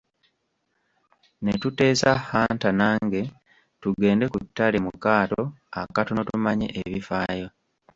Ne tuteesa Hunter nange tugende ku ttale mu kaato akatono tumanye ebifaayo.